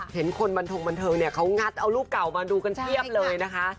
เห็นคนบันทงบันเทิงเนี่ยเขางัดเอารูปเก่ามาดูกันเพียบเลยนะคะ